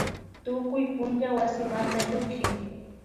Tukuy punlla wasimanda llukshin